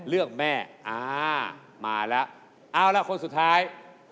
เอาล่ะคนสุดท้าย